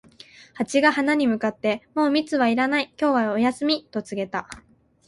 ハチが花に向かって、「もう蜜はいらない、今日はお休み」と告げた。